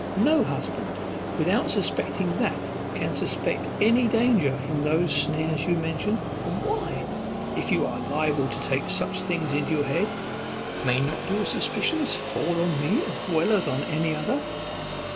No husband, without suspecting that, can suspect any danger from those snares you mention; and why, if you are liable to take such things into your head, may not your suspicions fall on me as well as on any other?